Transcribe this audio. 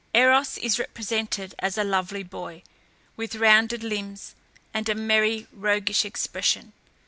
Eros is represented as a lovely boy, with rounded limbs, and a merry, roguish expression.